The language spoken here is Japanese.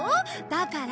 だから。